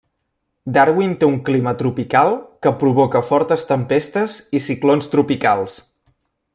Darwin té un clima tropical que provoca fortes tempestes i ciclons tropicals.